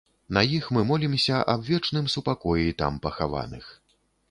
На іх мы молімся аб вечным супакоі там пахаваных.